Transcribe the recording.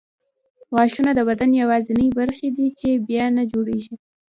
غاښونه د بدن یوازیني برخې دي چې بیا نه جوړېږي.